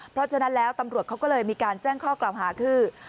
เพราะฉะนั้นแล้วตำรวจเขาก็เลยมีการแจ้งข้อกล่าวหาคือ